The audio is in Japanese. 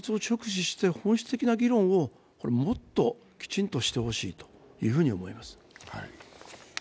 だから現実を直視して本質的な議論をもっときちんとしてほしいと思います。